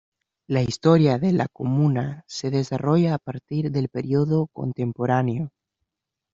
La historia de la comuna se desarrolla a partir del periodo contemporáneo.